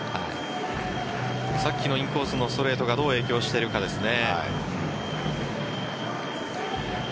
さっきのインコースのストレートがどう影響しているかですね。